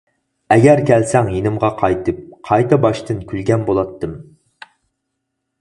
ئەگەر كەلسەڭ يېنىمغا قايتىپ، قايتا باشتىن كۈلگەن بۇلاتتىم.